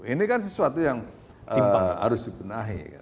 ini kan sesuatu yang harus dibenahi